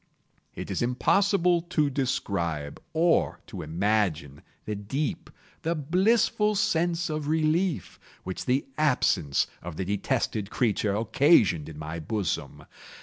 It is impossible to describe, or to imagine, the deep, the blissful sense of relief which the absence of the detested creature occasioned in my bosom.